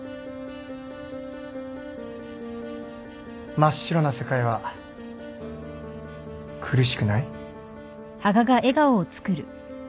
真っ白な世界は苦しくない？